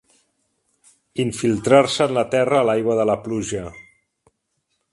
Infiltrar-se en la terra l'aigua de la pluja.